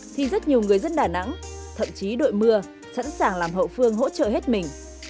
thì rất nhiều người dân đà nẵng thậm chí đội mưa sẵn sàng làm hậu phương hỗ trợ hết mình